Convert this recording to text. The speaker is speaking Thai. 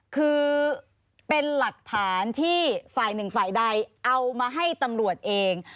คือเป็นหลักฐานที่ฝ่ายหนึ่งฝ่ายใดเอามาให้ตำรวจเอง